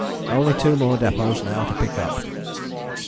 Only two more depôts now to pick up.